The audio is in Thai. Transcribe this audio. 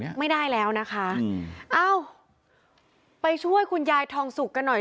ไม่ได้แล้วนะคะอืมเอ้าไปช่วยคุณยายทองสุกกันหน่อย